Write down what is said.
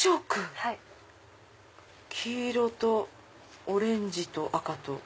黄色とオレンジと赤と。